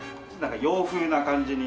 洋風な感じに。